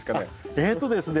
えとですね